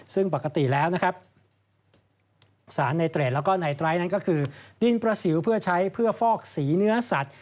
ซึ่งปกติแล้วนะครับสารไนเตรดแล้วก็ในไตรนั้นก็คือดินประสิวเพื่อใช้เพื่อฟอกสีเนื้อสัตว์